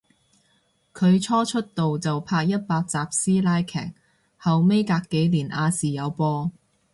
佢初出道就拍一百集師奶劇，後尾隔幾年亞視有播